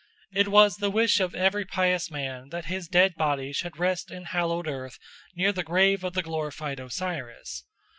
It was the wish of every pious man that his dead body should rest in hallowed earth near the grave of the glorified Osiris.